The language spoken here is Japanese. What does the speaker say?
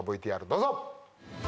ＶＴＲどうぞ。